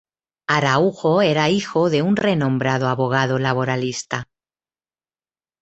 Araújo era hijo de un renombrado abogado laboralista.